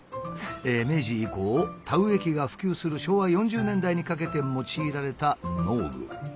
明治以降田植え機が普及する昭和４０年代にかけて用いられた農具。